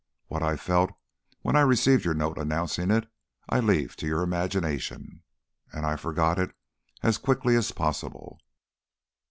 What I felt when I received your note announcing it, I leave to your imagination, and I forgot it as quickly as possible.